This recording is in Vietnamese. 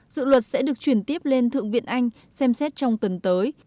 dự luật sẽ được chuyển tiếp lên thượng viện anh xem xét trong tuần tới